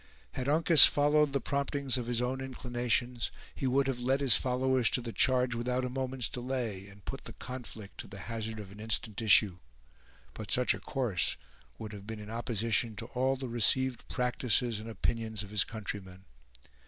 Had Uncas followed the promptings of his own inclinations, he would have led his followers to the charge without a moment's delay, and put the conflict to the hazard of an instant issue; but such a course would have been in opposition to all the received practises and opinions of his countrymen.